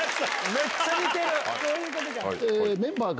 めっちゃ似てる！